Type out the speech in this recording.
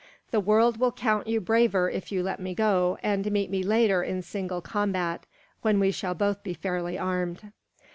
The world will count you braver if you let me go and meet me later in single combat, when we shall both be fairly armed."